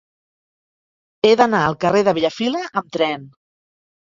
He d'anar al carrer de Bellafila amb tren.